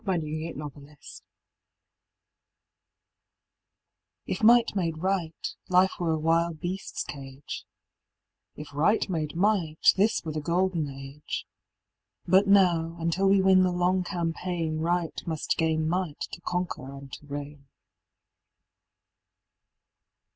May, 1916 MIGHT AND RIGHT If Might made Right, life were a wild beasts' cage; If Right made Might, this were the golden age; But now, until we win the long campaign Right must gain Might to conquer and to reign.